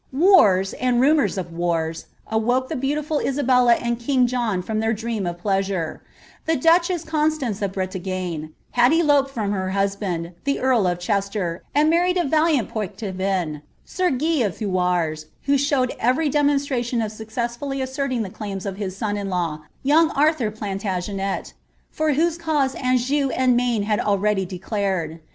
Warx, and rumours of witra, awoke the beoutiful Isabella and kiaf John from their dream of pleasure. Tlie ducbeas Constance of BnHfW had eloped from lier liusband, the earl of Cheater, and marriwi a nlini Pojctcvin, sir Guy of Thoaars,* who showed every detnonnntion of suecfiBsfully asserting the claims of his son in bw, young Aithitr Ha* tagenet, for whose cause Anjou and Maine had already declared.